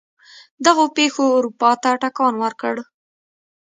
دغو پېښو اروپا ته ټکان ورکړ.